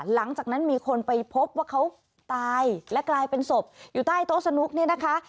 หลังจากนั้นมีคนไปพบว่าเขาตายและกลายเป็นศพอยู่ใต้โต๊ะสนุกเนี่ยนะคะ